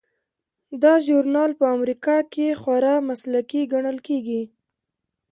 دا ژورنال په امریکا کې خورا مسلکي ګڼل کیږي.